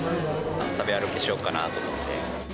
食べ歩きしようかなと思って。